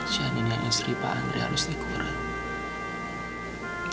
jangan nyari seripa andre harus dikurang